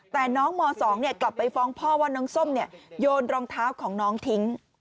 แต่น้องม๒กลับไปฟ้องพ่อว่าน้องส้มโยนรองเท้าของน้องทิ้ง